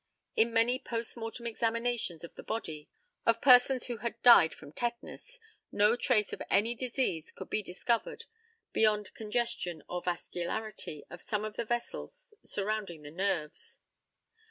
In many post mortem examinations of the bodies of persons who had died from tetanus no trace of any disease could be discovered beyond congestion or vascularity of some of the vessels surrounding the nerves.